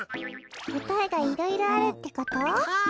こたえがいろいろあるってこと？か！